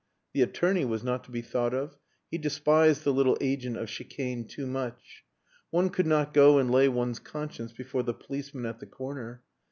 The attorney was not to be thought of. He despised the little agent of chicane too much. One could not go and lay one's conscience before the policeman at the corner.